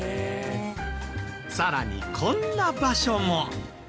さらにこんな場所も。